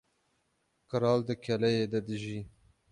Qral di keleyê de dijî.